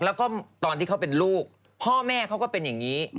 แล้วก็ตอนที่เขาเป็นลูกพ่อแม่เขาก็เป็นอย่างนี้